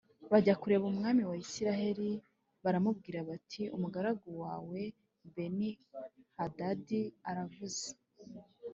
bajya kureba umwami wa Isirayeli baramubwira bati umugaragu wawe Beni Hadadi aravuze